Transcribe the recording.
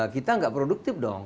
kita nggak produktif dong